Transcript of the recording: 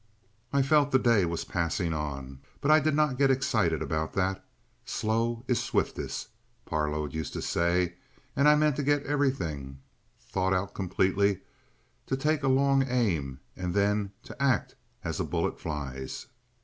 I felt the day was passing on, but I did not get excited about that. "Slow is swiftest," Parload used to say, and I meant to get everything thought out completely, to take a long aim and then to act as a bullet flies.